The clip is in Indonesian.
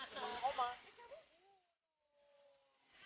ini sama oma nene